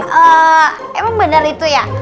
eee emang bener itu ya